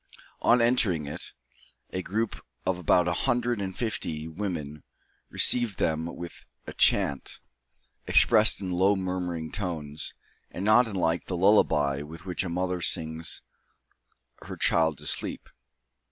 On entering it, a group of about a hundred and fifty women received them with a chant, expressed in low murmuring tones, not unlike the lullaby with which a mother sings her child to sleep.